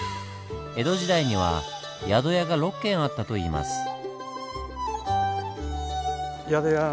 江戸時代には宿屋が６軒あったといいます。